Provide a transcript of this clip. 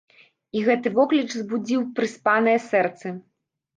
І гэты вокліч збудзіў прыспаныя сэрцы.